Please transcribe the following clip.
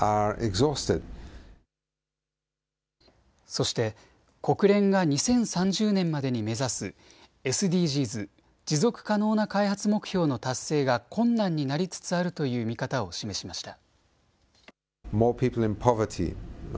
そして国連が２０３０年までに目指すＳＤＧｓ・持続可能な開発目標の達成が困難になりつつあるという見方を示しました。